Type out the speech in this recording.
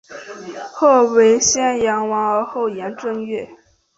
曷为先言王而后言正月？